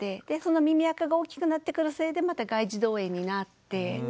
でその耳あかが大きくなってくるせいでまた外耳道炎になって。